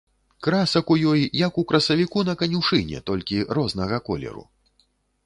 Красак у ёй як у касавіцу на канюшыне, толькі рознага колеру.